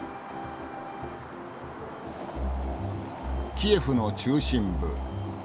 キエフの中心部。